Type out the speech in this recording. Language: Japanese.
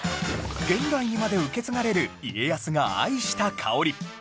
現代にまで受け継がれる家康が愛した香り